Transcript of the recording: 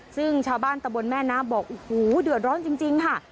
ซึ่งชาวบ้านตะบนแม่น้ำบอกโอ้โหเดือดร้อนจริงค่ะ